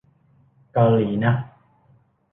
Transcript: เกาหลีนะ